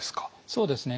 そうですね。